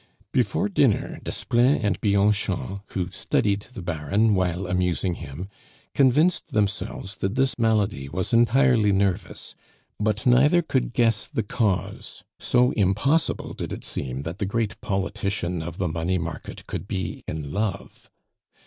Before dinner Desplein and Bianchon, who studied the Baron while amusing him, convinced themselves that this malady was entirely nervous; but neither could guess the cause, so impossible did it seem that the great politician of the money market could be in love.